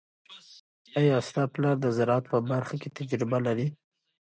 آیا ستا پلار د زراعت په برخه کې تجربه لري؟